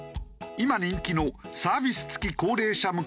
今人気のサービス付き高齢者向け住宅